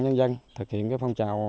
nhân dân thực hiện cái phong trào